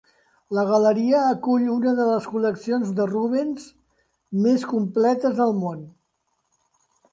La galeria acull una de les col·leccions de Rubens més completes del món.